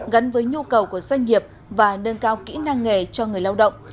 gắn với nhu cầu của doanh nghiệp và nâng cao kỹ năng nghề cho người lao động